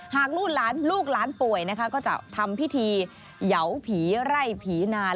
หากลูกหลานป่วยก็จะทำพิธีเหยาผีไร่ผีนา